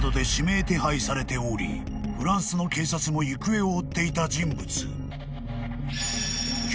［フランスの警察も行方を追っていた人物］